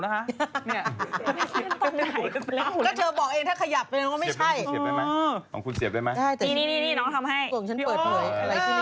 จับหูกางเกงแหมคุณก็เนี่ยคุณก็เดินไปอย่างเงี้ย